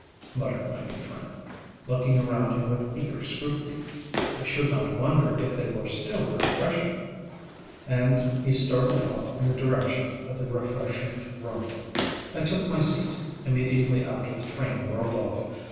ŌĆØ muttered my new friend, looking around him with eager scrutiny. ŌĆ£I should not wonder if they were still refreshing. ŌĆØ And he started off in the direction of the refreshment room. I took my seat. Immediately after the train whirled off.